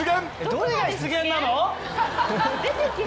どれが出現なの？